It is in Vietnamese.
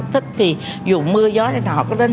thích thì dù mưa gió thì họ có đến